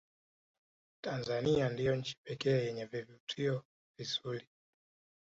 tanzania ndiyo nchi pekee yenye vivutio vinzuri